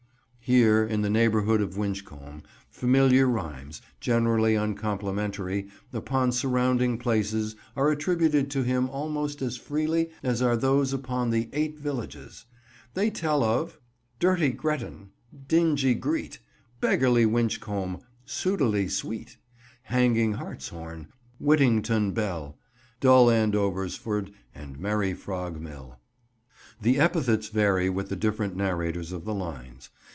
Here, in the neighbourhood of Winchcombe, familiar rhymes, generally uncomplimentary, upon surrounding places are attributed to him almost as freely as are those upon the "Eight Villages." They tell of— "Dirty Gretton, Dingy Greet, Beggarly Winchcombe, Sudeley sweet; Hanging Hartshorn, Whittington Bell, Dull Andoversford, and Merry Frog Mill." The epithets vary with the different narrators of the lines.